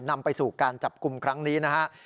นำไปสู่การจับกลุ่มครั้งนี้นะฮะ